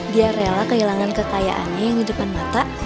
dia rela kehilangan kekayaannya yang di depan mata